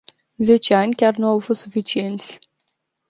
Zece ani chiar nu au fost suficienți”.